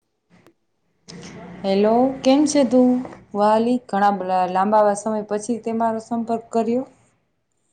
[inaudible] Hello કેમ છે તું, વલી ઘણા બધા લાંબા સમય પછી તે મારો સંપર્ક કર કર્યો. [inaudible]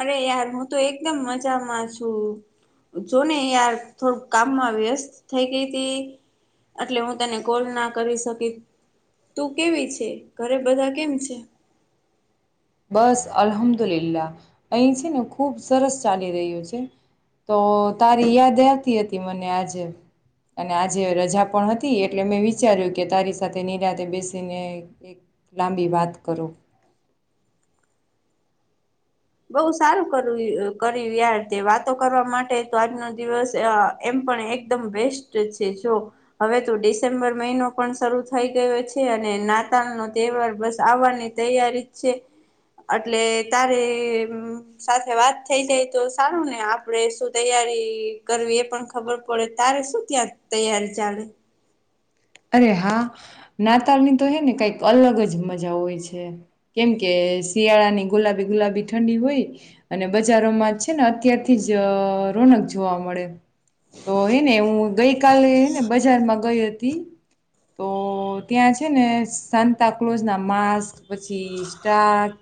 અરે યાર હું તો એકદમ મજામાં છું. જો ને યાર થોડુંક કામમાં વ્યસ્ત થઈ ગઈ હતી. એટલે હું તને કોલ ના કરી શકી. તું કેવી છે ઘરે બધા કેમ છે? બસ અલહમદુલલા, અહીં છે ને ખુબ સરસ ચાલી રહ્યું છે. તો તારી યાદ આવતી હતી મને આજે. અને આજે રજા પણ હતી એટલે મેં વિચાર્યું કે તારી સાથે નિરાતેે બેસીને એક લાંબી વાત કરુ. હ. [inaudible] બઉ સારું કર્યું કર યાર તે વાતો કરવા માટે તો આજનો દિવસ એમ એકદમ બેસ્ટ છે જો, હવે તો ડિસેમ્બર મહિનો પણ શરૂ થઈ ગયો છે અને નાતાલ નો તહેવાર બસ આવવાની તૈયારી જ છે, એટલે તારે સાથે વાત થઈ જાય તો સારું ને આપણે શું તૈયારી કરવી એ પણ ખર ખબર પડે તારે શું ત્યાં તૈયારી ચાલે. અરે હા, નાતાલની તો હે ને કઈક અલગ જ મજા હોય છે, કેમ કે શિયાળા ની ગુલાબી ગુલાબી ઠંડી હોય, અને બજારોમાં છે ને અત્યારથી જ રોનક જોવા મળે, તો હને હું ગઈ કલેને બજારમાં ગઈ હતી. હ [inaudible] તો ત્યાં છે ને સાતા કલોઝ ના માસ્ક પછી સ્ટાચ.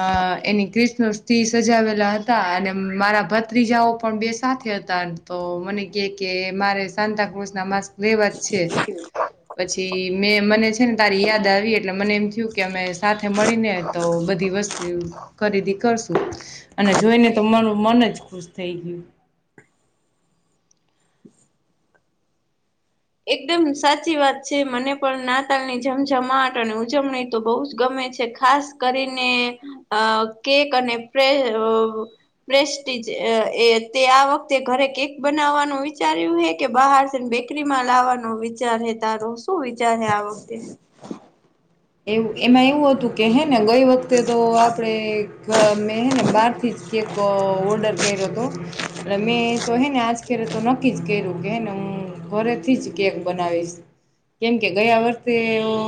અ એની ક્રષ્ણ સ્તિ સજાવેલા હતા અને મારા ભત્રીજાઓ પણ બે સાથે હતા તો મને કે કે મારે સાતા ક્રુઝ ના મા વે વાજ છે. પછી મેં મને છે ને તારી યાદ આવી એટલે મને એમ થયું કે અમે સાથે મળી ને તો બધી ખરીદી કરશું, અને જોઈને તો મારું મન જ ખુશ થઈ ગયું. હ [inaudible] એકદમ સાચી વાત છે મને પણ નાતાલ ની જમઝમાટ અને ઉજવણી તો બહુ જ ગમે. ખાસ કરીને અ કેક અને પ્રેસ્ટી એ તે આ વખતે ઘરે કેક બનાવવાનું વિચાર્યું હે કે બહારને બેકરી માં લાવવાનો વિચાર હે તારો શું વિચાર હે આ વખતે? એ એમાં એવું હતું કે હે ને ગઈ વખતે તો આપણે મેં હ ને બારથી જ કેક ઓર્ડર કર્યો એટલે મેં તો હેને આજરે તો નક્કી જ કર્યું કેેને હું ઘરેથી જ બનાવીશ, કેમ કે ગયા વર્ષે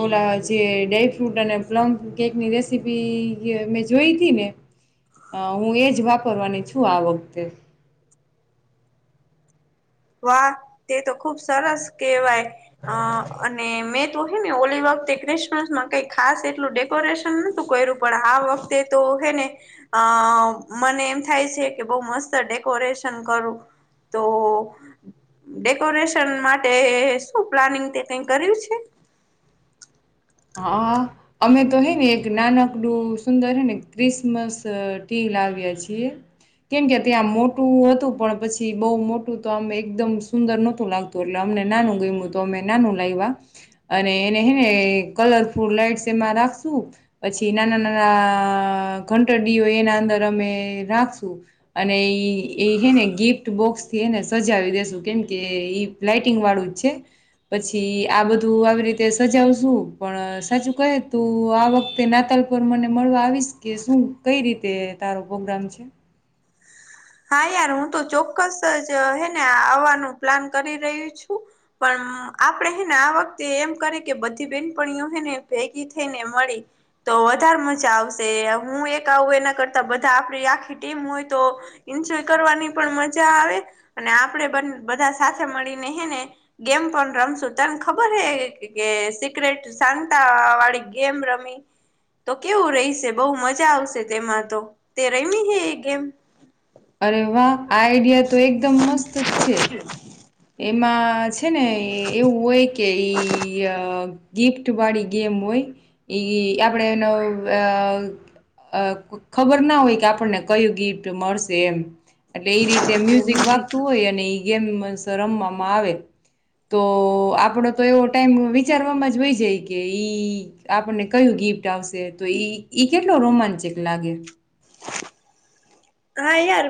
ઓલા જે ડ્રાયફ્રૂટ અને પ્લમ કેકની રેસીપી મેં જોઈ હતી ને. અ હું એજ વાપરવાની છું આ વખતે. [inaudible] વાહ તે તો ખુબ સરસ કહેવાય, અ અને મે હો ને ઓલી વખતે ક્રિસમસ માં કઈ ખાસ એટલું ડેકોરેશન નહોતું કર્યું પડ આ વખતે તો ને, મને એમ થાય છે કે બહ મસ્ત ડેકોરેશન કરું. તો ડેકોરેશન માટે શું પ્લાનિંગ તે કઈ કર્યું છે? [unintelligible] હા અમે તો હે ને એક નાનકડું સુંદર હે ને ક્રિસમસ ટી લાવ્યા છે કેમકે ત્યાં મોટું હતું પણ પછી બહુ મોટું તો આમ એકદમ સુંદર નહોતું લાગતું એટલે નાનું ગય તો અમે નાનું લાવવા અને એને હે ને કલરફુલ લાઈટ એમાં રાખશું પછી નાના નાના ઘંટડીઓ એના અંદર અનેેને ગિફ્ટ બોક્સ થીને સજાવી દેસું કે મ કે ઈ લઇટિંગ વાળું જ છે પછી આ બધું આવી રીતે સજાવશું પણ સાચું કહે તું આ વખતે નાતાલ પર મને મળવા આવીશ કે શું કઈ રીતે? તારો પ્રોગ્રામ છે. હા યાર હું તો ચોક્કસ જ હે ને આવવાનું પ્લાન કરી રહ્યું છું પણ આપે હેને આ વખતે એમ કરી કે બધી બેનપણીઓ હને ભેગી થઈને મળી. તો વધારે મજા આવશે હું એક આવું એના કરતા બધા આપણી આખી ટીમ હોય તો એન્જોય કરવાની પણ મજા આવે અને આપણેે બધા સાથે મળીને હને ગેમ પણ રમશું તને ખબર હ કે સિક્રેટ સાતા વાળી ગેમ રમી તો કેવું રહીશે બહુ મજા આવશે તેમાં તો તે રમી હ એ ગેમ અરે વાહ આ આઈડિયા તો એકદમ મસ્ત જ છે એમાં છે ને એવું હોય કે ઈ ગિફ્ટ વાળી ગેમ હોય એ આપણે એનો અ અ ખબર ના હોય કે આપણને કયું ગિફ્ટ મળશે એમ એટલે એ રીતે મ્યુઝિક વાગતું હોય અને એ ગેમ રમવામાં આવે તો આપડો તો એવો ટાઈમ વિચારવામાં જ હોય જાય કે ઈ આપણને કયું ગિફ્ટ આવશે તો કેટલો રોમાંચક લાગે હા યાર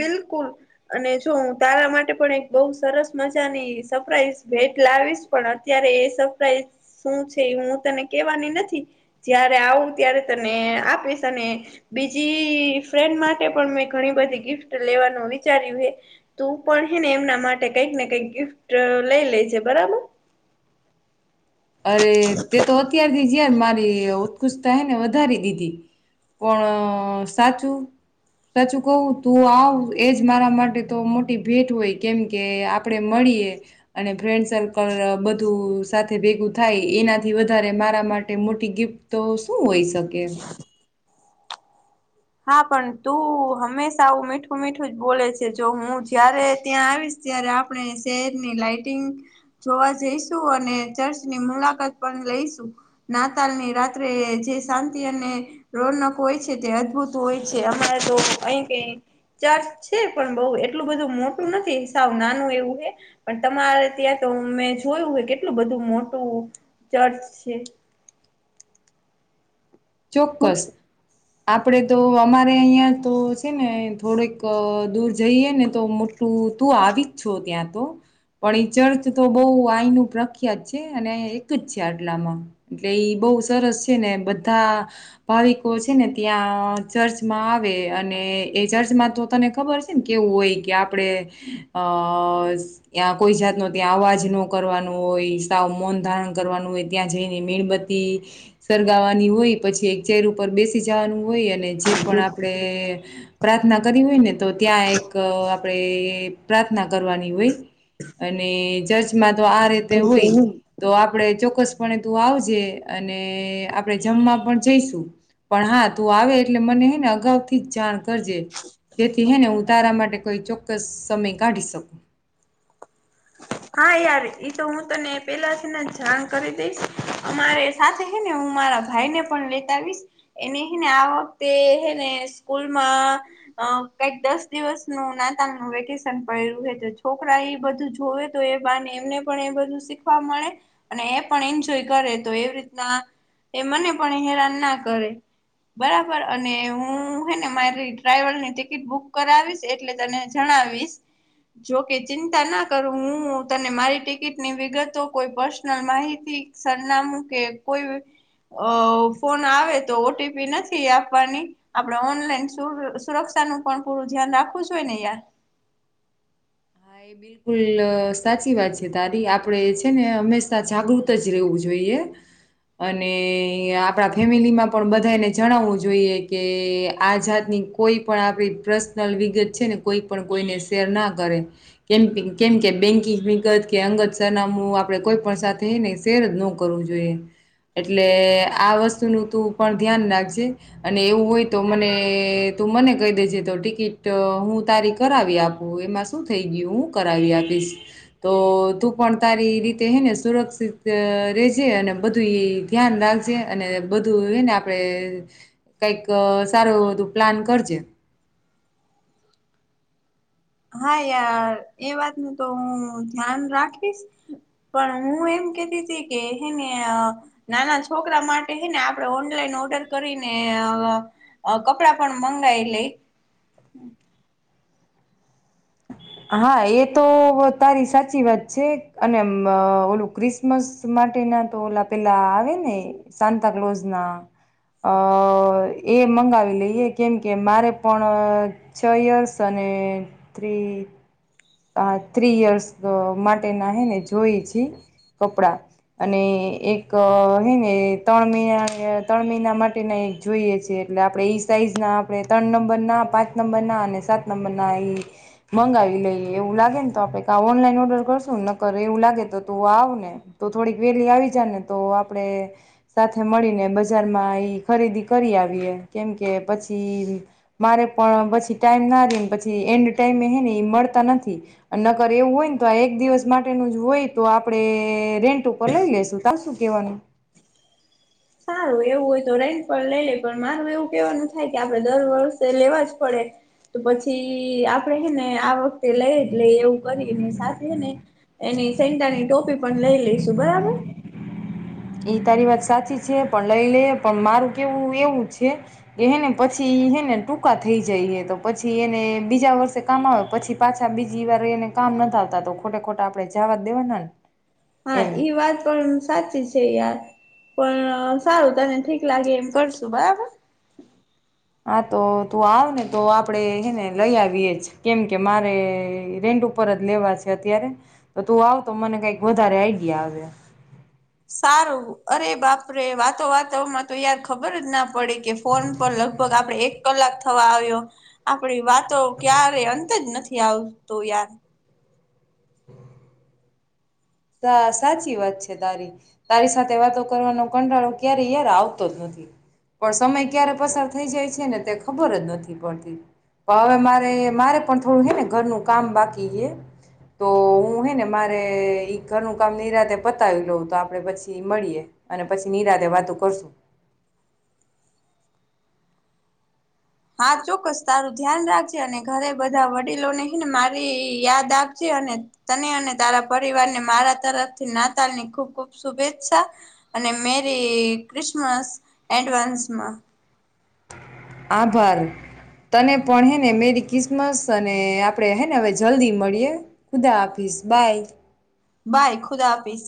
બિલકુલ અને જો હું તારા માટે પણ એક બહ સરસ મજાની સરપ્રાઈઝ ભેટ લાવીશ પણ અત્યારે એ સરપ્રાઈઝ શું છે એ હું તને કેવાની નથી જયારે આવું ત્યારે તને આપીશ અને બીજી ફ્રેન્ડમાં મેણી બધી ગિફ્ટ લેવાનું વિચાર્યું હ તું પણને એમના માટે કઈક ને કઈક ગિફ્ટ લઈ લેજે બરાબર અરે તે તો અત્યારથી જયાર મારી ઉત્કૃષ્ટતા હને વધારી દીધી પણ સાચું સાચું કવું તું આવ એજ મારા માટે તો મોટી ભેટ હોય કેમ કે આપે મળી અને ફન્ડ સર્કલ બધું સાથે ભેગું થાય એનાથી વધારે મારા માટે મોટી ગિફ્ટ તો શું હોય શકે હા પણ તું હંમેશા આવું મીઠું મીઠું જ બોલે છે જો હું જયારે ત્યાં આવીશ ત્યારે આપણે શહેરની લાઈટિંગ જોવા જઈશું અને ચર્ચની મુલાકાત પણ લઈશું નાતાલની રાત્રે જે શાંતિ અને રોનક હોય છે તે અદભુત હોય છે અમારે તો અહી કઈ ચર્ચ છે પણ બઉ એટલું બધું મોટું નથી સાબ નાનું એવું હ પણ તમારે ત્યાં તો મેં જોયું હ કેટલું બધું મોટું ચર્ચ છે ચોક્કસ આપડે તો અમારે અહિયાં તો છે ને થોડેક દૂર જઈએ ને તો મોટું તું આવી જ છો ત્યાં તો પણ એ ચર્ચ તો બહ આહી ન પ્રખ્યાત છે અને એક જ છે આટલામાં એટલે બ બહુ સરસ છે ને બધ બધા ભાવિકો છે ને ત્યાં ચર્ચમાં આવે અને એ ચર્ચમાં તો તને ખબર છે ને કેવું હોય કે આપણે અ ત્યા કોઈ જાત ન ત્યાં અવાજ ન કરવાનું હોય સાવ મૌન ધારણ કરવાનું હોય ત્યાં જઈને મીણબત્તી સરગાવાનું હોય પછી એક ચેર ઉપર બેસી જવાનું હોય અને જે પણ આપણે પ્રાર્થના કરી હોય ને તો ત્યાં એક આપણે પ્રાર્થના કરવાની હોય અને ચર્ચમાં તો આ રીતે હોય તો આપડે ચોક્કસ પણે તું આવજે અને આ પડે જમવા પણ જઈશું પણ હા તું આવે એટલે મને હે ને અગાઉ થી જ જાણ કરજે જેથી હેને ઉતારા માટે કોઈ ચોક્ કસ સમય કાઢી શકુ હા યાર ઈ તો હું તને પેલાથી ને જાણ કરી દઈશ અમારે સાથે હે ને હું મારા ભાઈને પણ લેત આવીશ એને હે ને આ વખતે હેને સ્કૂલમાં અ કંઈક દસ દિવસનું નાતાલનું વેકેશન પડ્યું હે તો છોકરા એ બધું જોવે તો એ બાને એમને પણ એ બધું શીખવા મળે અને એ પણ એન્જોય કરે તો એવી રીતના એ મને પણ ઈ હેરાન ના કરે બરાબર અને હું હે ને મારી ટ્રાઈવલ ની ટિકિટ બુક કરાવીશ એટલે તને જણાવ વીસ જો કે ચિંતા ન કરું હું તને મારી ટિકિટની વિગતો કોઈ પર્સનલ માહિતી સરનામું કે કોઈ અ ફોન આવે તો ઓ ટી પી નથી આપવાની આપણે ઓનલાઈન સુ સુરક્ષ ક્ષાનું પણ પૂરું ધ્યાન રાખવું જોઈએ ને યાર હા એ બિલકુલ સાચી વાત છે તાારી આપડે છે ને હંમેશા જાગૃત જ રહેવું જોઈએ એ અને આપણા ફેમિલીમાં પણ બધાયને જણાવવું જોઈએ કે આ જાતની કોઈ પણ આપણી પ્રસનલ વિગત છે ને કોઈ પણ કોઈને શેર ના કરે કેમ કીં કેમ કે બેન્કિંગ વિગત કે અંગત સરનામું આપડે કોઈ પણ સાથે નઈ શેર જ નો કરવુ જોઈએ એટલે આ વસ્તુનું તું પણ ધ્યાન નાખજે અને એવું હોય તો મને તું મને કહી દેજે તો ટિકિટ હું તારી કરાવી આપું એમાં શું થઈ ઈ ઉં કરાવી આપીશ તો તું પણ તારી રીતે હે ને સુરક્ષિત રેજે અને બધું ઈ ધ્યાન રાખ [unintelligible] અને બધું ઈને આપડે કંઈક સારું એવુ બધુ પ્લાન કરજે હા યાર એ વાત નુ તો હું ધ્યાન રાખીશ પણ ઉં એમ કેતી તી કે હેને અ નાના છોકરા માટે હેને આપણે ઓનલાઈન ઓર્ડર કરીને અ કપડા પણ મંગાઈ લેઈ હા એ તો તારી સાચી વાત છે અને મં ઓલું ક્રિસમસમાં માટે ના તો ઓ પેલા આવે ને સાન્તાકલોઝના અ એ મંગાવી લઈએ કેમ કે મારે પણ છ યર્સ અને ને ત્રી અ ત્રી યર્સ માટે ના હે ને જોઈ છી કપડાં અને એક હીને તણ મહિનાના તણ મહિના માટેના એક જોઈએ છે ટલે આપડે ઈ સાઈઝના આપડે તણ નંબરના, પાંચ નંબરના અને સાત નંબરના એઈ મંગાવી લઈએ એવું લાગે ને તો આપડે કાં ઓનલાઈન ઓર્ડર કરશું નકર એવું લાગે તો તુ આવ ને તો થોડીક વેલી આવી જાય ને તો આપડે સાથે મળીને બજારમાં ઈ ખરીદી કરી આવીએ કેમકે પછી મારે પણ પછી ટાઈમ ન રી પછી એન્ડ ટાઈમે હે ને ઈ મળતા નથ્ થી નકર એવું હોય ને તો આ એક દિવસ માટેનું જ હોય તો આપડે રેન્ટ ઉપર લઈ લઈસુ તા સુું કેવાનું સારું એવું હોય તો રેન પર લઈ લે પણ મારું એવું કેવાનું થાય કે આપડે દર વર્ષે લેવા જ પડે તો પછી આપડે હેને આ વખતે લઈ જ લેઈ એવું કરીને સાથેને હેને એ ની સેન્ટાની ટોપી પણ લઈ લઈશું બરાબર? એઈ તારી વાત સાચી છે પણ લઈ લેયે પણ મારું કેવું એવું છે કે હે ને પછી હે ને ટૂંકા થઈ જાય હે તો પછી એને બીજા વર્ષે કામ આવે પછી પાછા બીજી વાર એને કામ નથ આવતા તો ખોટે ખોટા આપણે જાવા જ દેવાના ને હા એમ ઈ વાત પણ સાચી છે યાર પણ સારું તને ઠીક લાગે એમ કરશું બરાબર? હા તો તું આવ ને તો આપડે હેને લઈ આવીયે જ કેમ કે મારે ર ઉપર જ લેવા છે અત્યારે તો તું આવતો મને કક વધારે આઈડિયા આવે સારું અરે બાપરે વાતો વાતોમાં તો યાર ખબર જ ના પડે કે ફોન પર લગભગ આપડણે એક કલાક થવા આવ્યો આપડી વાતો ક્યારે અંત જ નથી આવતું યાર હા સાચી વાત છે તારી તારી સાથે વાતો કરવાનો કંટાળો ક્યારે યાર આવતો જ નથી પણ સમય ક્યારે પસાર થઈ જાય છે ને તે ખબર જ નથી પડતી પણ હવે મારે મારે પણ થોડું છે ને ઘરનું કામ બાકી છે તો હું હે ને મારે ઘરનું કામ નિરાતે પતાવી લઉં તો આપડે પછી મળીએ અને પછી નિરાતેે વાતો કરશું [inaudible] હા ચોક્કસ તારું ધ્યાન રાખજે અને ઘરે બધા વડીલો ને હને મારી યાદ આપજે અને તને અને તારા પરિવારને મારા તરફથી નાતાલ ની ખુબ ખુબ શુભેચ્છા અને મેરી ક્રિસમસ એડવાન્સમાં આભાર તને પણ હેને મેરી કિસમસ અને આપડે હેને હવે જલ્દી મળીએ ખુદા આપીશ હઝબાઈ બાય ખુદા હાફિસ